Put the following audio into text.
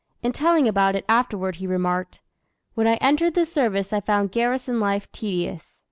In telling about it afterward he remarked: "When I entered the service I found garrison life tedious.